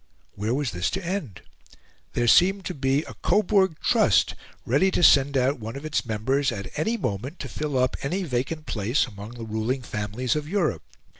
Where was this to end? There seemed to be a Coburg Trust ready to send out one of its members at any moment to fill up any vacant place among the ruling families of Europe.